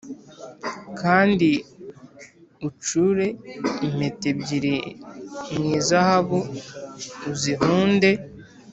Kandi ucure impeta ebyiri mu izahabu uzihunde